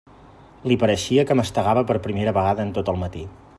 Li pareixia que mastegava per primera vegada en tot el matí.